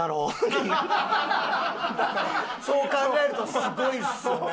そう考えるとすごいですよね。